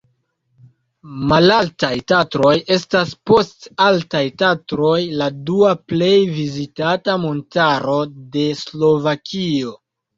Malaltaj Tatroj estas post Altaj Tatroj la dua plej vizitata montaro de Slovakio.